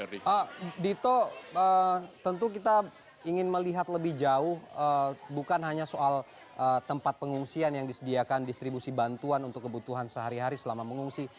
dito tentu kita ingin melihat lebih jauh bukan hanya soal tempat pengungsian yang disediakan distribusi bantuan untuk kebutuhan sehari hari selama mengungsi